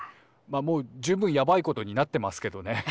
いやもう十分やばいことになってますけどね。